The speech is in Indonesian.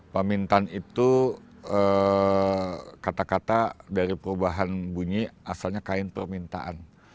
pamintan itu kata kata dari perubahan bunyi asalnya kain permintaan